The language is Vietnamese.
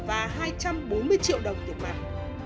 và hai trăm bốn mươi triệu đồng tiền mặt